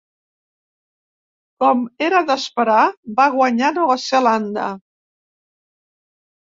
Com era d'esperar, va guanyar Nova Zelanda.